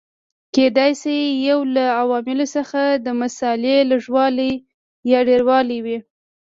کېدای شي یو له عواملو څخه د مسالې لږوالی یا ډېروالی وي.